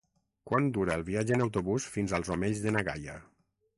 Quant dura el viatge en autobús fins als Omells de na Gaia?